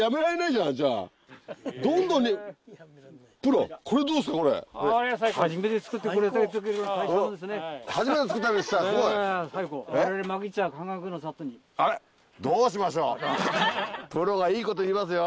プロがいいこと言いますよ